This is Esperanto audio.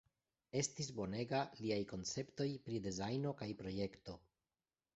Estis bonega liaj konceptoj pri dezajno kaj projekto.